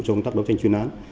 cho công tác đấu tranh chuyên án